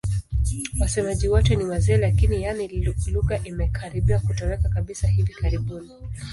Wasemaji wote ni wazee lakini, yaani lugha imekaribia kutoweka kabisa hivi karibuni.